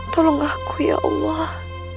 tolong aku ya allah